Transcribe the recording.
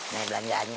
nah ini belanjaannya